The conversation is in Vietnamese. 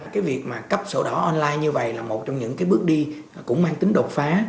cái việc mà cấp sổ đỏ online như vậy là một trong những cái bước đi cũng mang tính đột phá